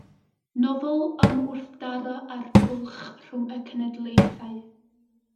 Nofel am wrthdaro a'r bwlch rhwng y cenedlaethau.